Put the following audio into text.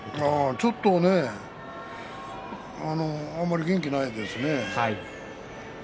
ちょっとねあんまり元気がないですね。